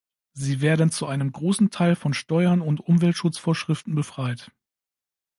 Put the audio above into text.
Sie werden zu einem großen Teil von Steuern und Umweltschutzvorschriften befreit.